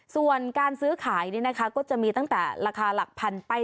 ส่วนการซื้อขายก็จะมีตั้งแต่ราคาหลักพันไป